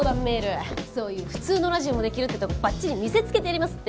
そういう普通のラジオもできるってとこばっちり見せつけてやりますって。